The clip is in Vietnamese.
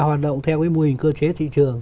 hoạt động theo cái mô hình cơ chế thị trường